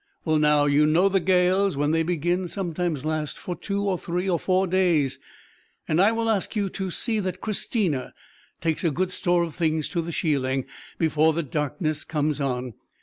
"Well, now, you know the gales, when they begin, sometimes last for two or three or four days; and I will ask you to see that Christina takes a good store of things to the sheiling before the darkness comes on.